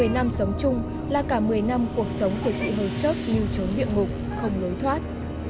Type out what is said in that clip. một mươi năm sống chung là cả một mươi năm cuộc sống của chị hồi chốc như trốn địa ngục không lối thoát